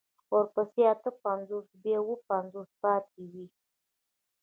ورپسې اته پنځوس بيا اوه پنځوس پاتې وي.